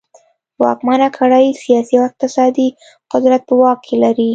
واکمنه کړۍ سیاسي او اقتصادي قدرت په واک کې لري.